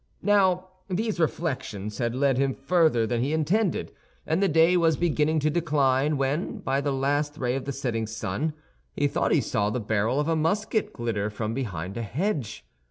Now, these reflections had led him further than he intended, and the day was beginning to decline when, by the last ray of the setting sun, he thought he saw the barrel of a musket glitter from behind a hedge.